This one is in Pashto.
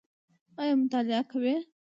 ایا مطالعه کوئ؟